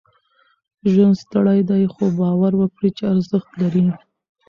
ژوند ستړی دی، خو؛ باور وکړئ چې ارزښت لري.